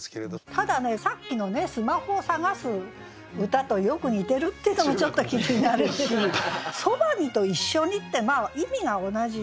ただねさっきのスマホを探す歌とよく似てるっていうのがちょっと気になるし「傍に」と「一緒に」って意味が同じ。